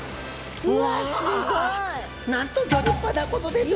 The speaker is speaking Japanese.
わなんとギョ立派なことでしょう。